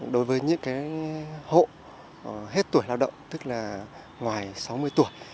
đối với những hộ hết tuổi lao động tức là ngoài sáu mươi tuổi